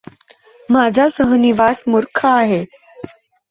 माझा सहनिवासी मूर्ख आहे.